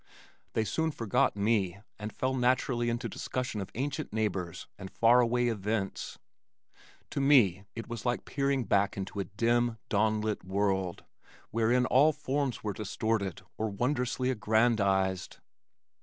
They soon forgot me and fell naturally into discussion of ancient neighbors and far away events. To me it was like peering back into a dim, dawn lit world wherein all forms were distorted or wondrously aggrandized.